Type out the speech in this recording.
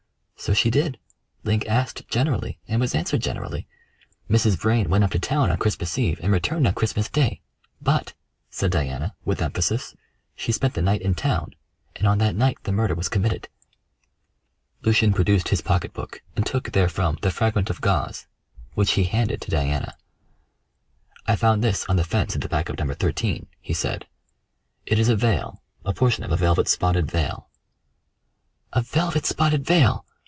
"So she did. Link asked generally, and was answered generally. Mrs. Vrain went up to town on Christmas Eve and returned on Christmas Day; but," said Diana, with emphasis, "she spent the night in town, and on that night the murder was committed." Lucian produced his pocketbook and took therefrom the fragment of gauze, which he handed to Diana. "I found this on the fence at the back of No. 13," he said. "It is a veil a portion of a velvet spotted veil." "A velvet spotted veil!"